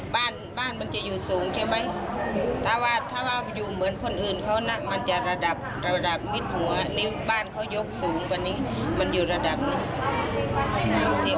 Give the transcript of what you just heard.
บ้านบ้านมันจะอยู่สูงใช่ไหมถ้าว่าถ้าว่าอยู่เหมือนคนอื่นเขานะมันจะระดับระดับมิดหัวนี่บ้านเขายกสูงกว่านี้มันอยู่ระดับหนึ่ง